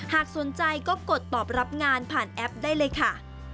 หากสนใจก็กดตอบรับงานผ่านแอปได้เลยค่ะ